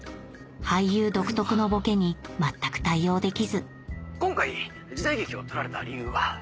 俳優独特のボケに全く対応できず今回時代劇を撮られた理由は？